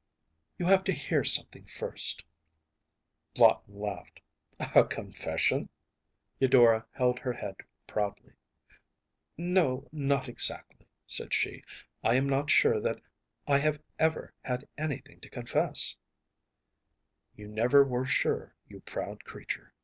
‚ÄĚ “You have to hear something first.‚ÄĚ Lawton laughed. “A confession?‚ÄĚ Eudora held her head proudly. “No, not exactly,‚ÄĚ said she. “I am not sure that I have ever had anything to confess.‚ÄĚ “You never were sure, you proud creature.